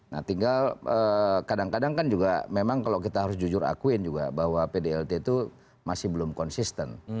nah tinggal kadang kadang kan juga memang kalau kita harus jujur akuin juga bahwa pdlt itu masih belum konsisten